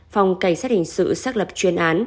phòng cảnh sát hình sự xác lập chuyên án